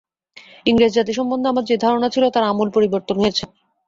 ইংরেজ জাতি সম্বন্ধে আমার যে ধারণা ছিল, তার আমূল পরিবর্তন হয়েছে।